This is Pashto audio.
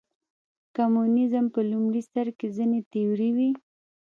کمونیزم په لومړي سر کې ځینې تیورۍ وې.